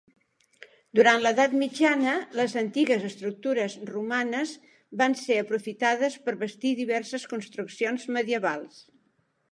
Durant l'edat mitjana les antigues estructures romanes van ser aprofitades per bastir diverses construccions medievals.